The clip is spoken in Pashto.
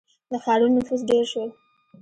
• د ښارونو نفوس ډېر شو.